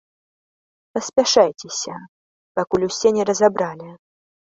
Паспяшайцеся, пакуль усе на разабралі.